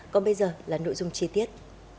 còn bây giờ là nội dung chi tiết